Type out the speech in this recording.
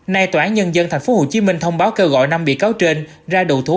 nay tòa án nhân dân tp hcm thông báo kêu gọi năm bị cáo trên ra đồ thú